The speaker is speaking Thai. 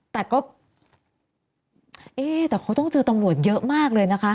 แต่ก็เอ๊ะแต่เขาต้องเจอตำรวจเยอะมากเลยนะคะ